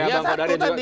ya satu tadi